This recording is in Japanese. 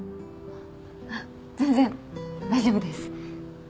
あっ全然大丈夫です